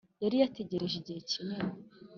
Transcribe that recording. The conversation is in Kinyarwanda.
yari yatekereje igihe kinini